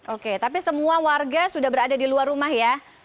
oke tapi semua warga sudah berada di luar rumah ya